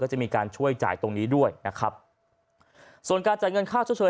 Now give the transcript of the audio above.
จะมีการช่วยจ่ายตรงนี้ด้วยนะครับส่วนการจ่ายเงินค่าชดเชย